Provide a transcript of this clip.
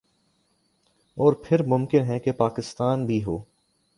اور پھر ممکن ہے کہ پاکستان بھی ہو